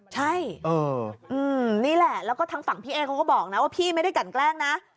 ใช่นี่แหละแล้วก็ทางฝั่งพี่เอ๊เขาก็บอกนะว่าพี่ไม่ได้กันแกล้งนะ